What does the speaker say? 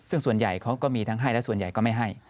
ซึ่งส่วนใหญ่เขาก็มีทั้งให้และส่วนใหญ่ก็ไม่ให้